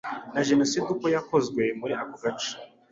na Jenoside uko yakozwe muri ako gace